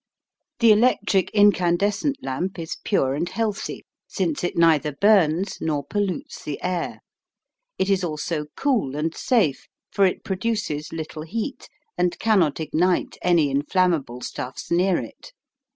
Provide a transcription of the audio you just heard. The electric incandescent lamp is pure and healthy, since it neither burns nor pollutes the air. It is also cool and safe, for it produces little heat, and cannot ignite any inflammable stuffs near it.